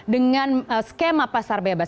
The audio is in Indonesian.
dengan skema pasar bebas